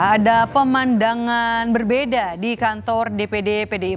ada pemandangan berbeda di kantor dpd pdip